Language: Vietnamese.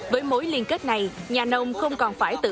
với mối liên kết này nhà nông không còn phải tự